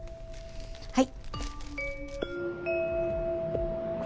はい。